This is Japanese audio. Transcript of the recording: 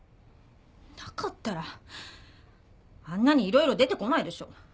なかったらあんなに色々出てこないでしょ。